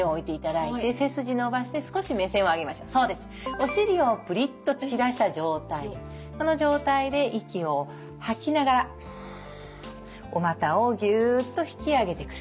お尻をプリッと突き出した状態この状態で息を吐きながらフッおまたをギュッと引き上げてくる。